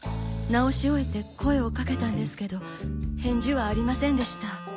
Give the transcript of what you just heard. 直し終えて声をかけたんですけど返事はありませんでした。